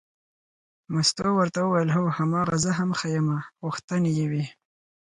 مستو ورته وویل هو هماغه زه هم ښیمه غوښتنې یې وې.